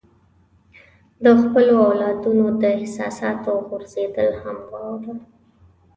د خپلو اولادونو د احساساتو غورځېدل هم واوره.